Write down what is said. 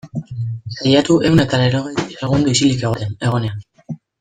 Saiatu ehun eta laurogei segundo isilik egoten, egonean.